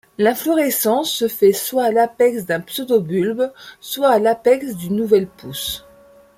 L'inflorescence se fait soit à l'apex d'un pseudobulbe soit à l'apex d'une nouvelle pousse.